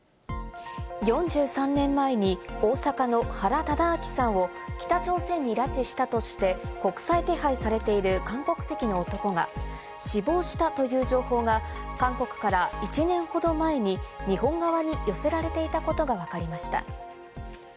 ４３年前に大阪の原敕晁さんを北朝鮮に拉致したとして国際手配されている韓国籍の男が死亡したという情報が韓国から１年ほど前に日本側に寄せられていたことがわかりました。